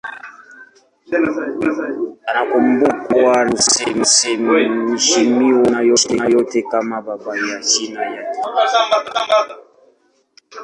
Anakumbukwa na kuheshimiwa China yote kama baba wa China ya kisasa.